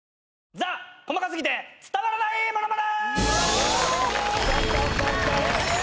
『ザ・細かすぎて伝わらないモノマネ』！